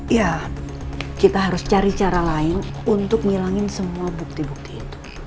ya kita harus cari cara lain untuk ngilangin semua bukti bukti itu